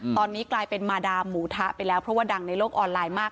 ตอนนี้กลายเป็นมาดามหมูทะไปแล้วเพราะว่าดังในโลกออนไลน์มาก